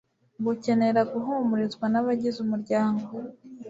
gukenera guhumurizwa nabagize umuryango